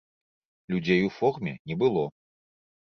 Людзей у форме не было.